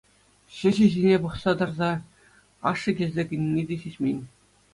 Çĕçĕ ҫине пӑхса тӑрса ашшӗ килсе кӗнине те сисмен.